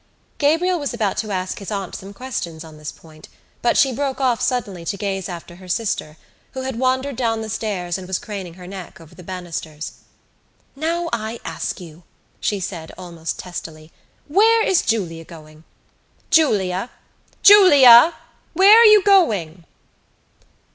Gabriel was about to ask his aunt some questions on this point but she broke off suddenly to gaze after her sister who had wandered down the stairs and was craning her neck over the banisters. "Now, I ask you," she said almost testily, "where is Julia going? Julia! Julia! Where are you going?"